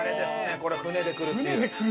これ舟でくるっていう。